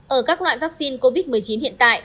ở các loại vaccine covid một mươi chín hiện tại